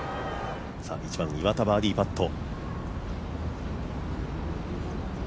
１番、岩田、バーディーパット。